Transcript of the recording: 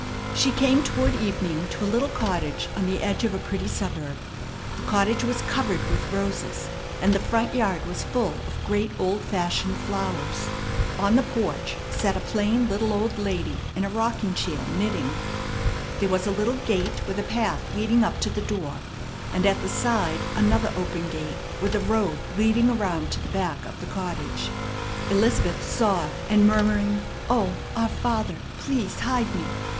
She came toward evening to a little cottage on the edge of a pretty suburb. The cottage was covered with roses, and the front yard was full of great old fashioned flowers. On the porch sat a plain little old lady in a rocking chair, knitting. There was a little gate with a path leading up to the door, and at the side another open gate with a road leading around to the back of the cottage. Elizabeth saw, and murmuring, "O 'our Father,' please hide me!"